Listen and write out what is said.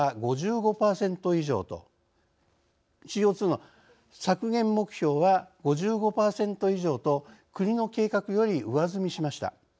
ＣＯ２の削減目標は５５％以上と国の計画より上積みしました。